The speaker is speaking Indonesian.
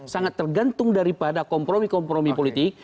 sangat tergantung daripada kompromi kompromi politik